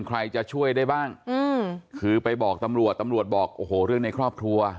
ใครจะช่วยได้บ้างอืมคือไปบอกตำรวจตำรวจบอกโอ้โหเรื่องในครอบครัว